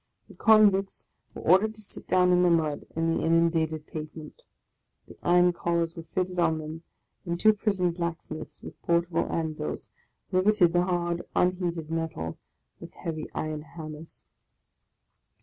The convicts were or dered to sit down in the mud on the inundated pavement; the iron collars were fitted on them, and two prison blacksmiths, with portable anvils, riveted the hard, unheated metal with heavy iron hammers.